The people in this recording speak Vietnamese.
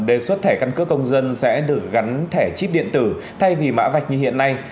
đề xuất thẻ căn cước công dân sẽ được gắn thẻ chip điện tử thay vì mã vạch như hiện nay